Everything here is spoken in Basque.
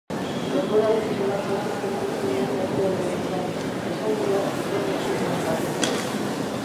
Denboralditxo bat pasatzen duzunean herrialde honetan, esaldi hark Tony sutan jarri zuen.